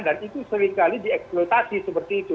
dan itu seringkali dieksploitasi seperti itu